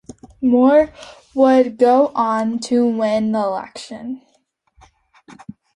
Moore would go on to win the election.